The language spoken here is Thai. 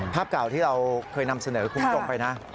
ภาพกล่าวที่เราเคยนำเสนอคุ้มตรงไปนะ